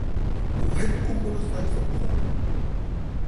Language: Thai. ก็เห็นกลุ่มมอเตอร์ไซค์ส่งของ